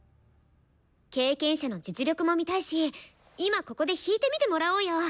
経験者の実力も見たいし今ここで弾いてみてもらおうよ。